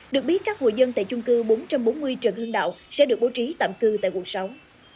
được biết các hội dân tại chung cư bốn trăm bốn mươi trần hưng đạo sẽ được bố trí tạm cư tại quận sáu